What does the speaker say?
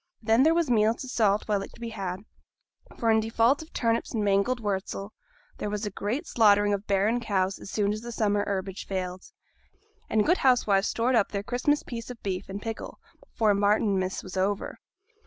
Then there was meat to salt while it could be had; for, in default of turnips and mangold wurzel, there was a great slaughtering of barren cows as soon as the summer herbage failed; and good housewives stored up their Christmas piece of beef in pickle before Martinmas was over.